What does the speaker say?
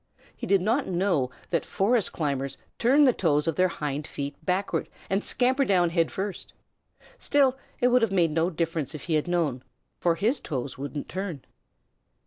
He did not know that forest climbers turn the toes of their hind feet backward and scamper down head first. Still, it would have made no difference if he had known, for his toes wouldn't turn.